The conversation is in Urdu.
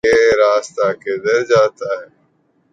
یہ راستہ کدھر جاتا ہے